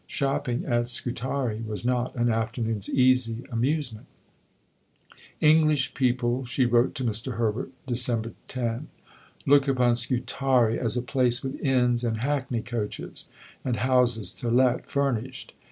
Shopping at Scutari was not an afternoon's easy amusement: "English people," she wrote to Mr. Herbert (Dec. 10), "look upon Scutari as a place with inns and hackney coaches, and houses to let furnished.